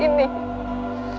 amba mohon ya allah